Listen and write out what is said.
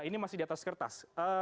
ini masih di atas kertas